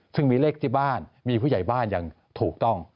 ซึ่งมีเลขที่บ้านมีผู้ใหญ่บ้านอย่างถูกต้อง